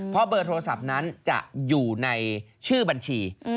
เพราะเบอร์โทรศัพท์นั้นจะอยู่ในชื่อบัญชี